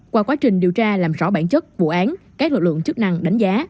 qua quá trình điều tra làm rõ bản chất vụ án các lực lượng chức năng đánh giá